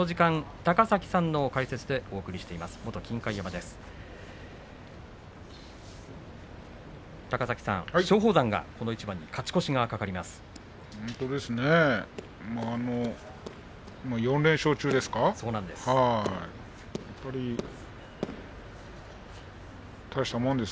高崎さん、松鳳山はこの一番に勝ち越しが懸かります。